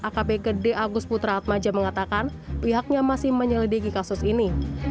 akb gede agus putra atmaja mengatakan pihaknya masih menyelidiki kasus ini